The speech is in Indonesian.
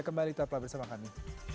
kembali kita pelabur sama kami